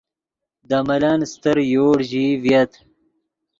دے ملن استر یوڑ ژیئی ڤییت